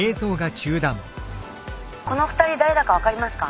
この２人誰だか分かりますか？